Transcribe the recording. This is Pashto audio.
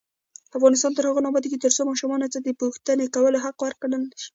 افغانستان تر هغو نه ابادیږي، ترڅو ماشوم ته د پوښتنې کولو حق ورکړل نشي.